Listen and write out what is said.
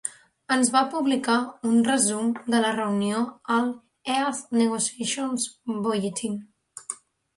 Es va publicar un resum de la reunió al "Earth Negotiations Bulletin".